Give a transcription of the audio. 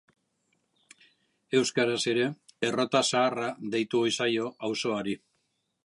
Euskaraz ere Errota Zaharra deitu ohi zaio auzoari.